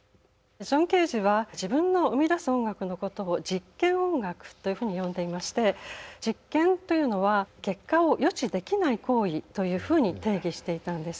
ジョン・ケージは自分の生み出す音楽のことを実験音楽というふうに呼んでいまして実験というのは結果を予知できない行為というふうに定義していたんです。